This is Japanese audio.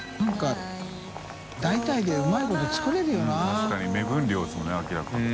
確かに目分量ですもんね明らかに。